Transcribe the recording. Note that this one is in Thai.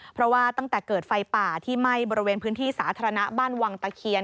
เพราะว่าตั้งแต่เกิดไฟป่าที่ไหม้บริเวณพื้นที่สาธารณะบ้านวังตะเคียน